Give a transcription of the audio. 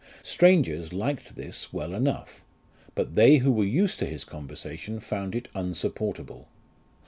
Strangers liked this well enough ; but they who were used to his conversation found it insupportable.